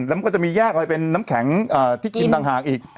แล้วมันก็จะมีแยกอะไรเป็นน้ำแข็งที่กินต่างหากอีก